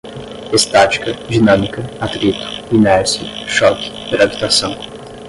Estática, dinâmica, atrito, inércia, choque, gravitação